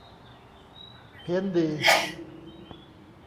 เพี้ยนดี